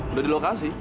udah di lokasi